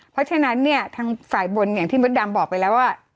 เพราะฉะนั้นเนี่ยทางฝ่ายบนอย่างที่มดดำบอกไปแล้วว่า